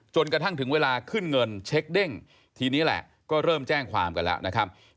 จนกระทั่งถึงเวลาขึ้นเงินเช็คเด้งทีนี้แหละก็เริ่มแจ้งความกันแล้วนะครับ